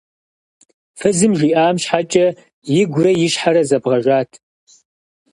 Фызым жиӀам щхьэкӀэ игурэ и щхьэрэ зэбгъэжат.